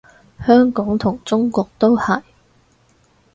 香港同中國都係